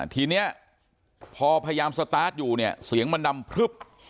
ทีนี้พอพยายามสตาร์ทอยู่เนี่ยเสียงมันดำพลึบ